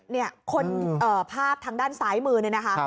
นี่ภาพทางด้านซ้ายมือนี่นะคะ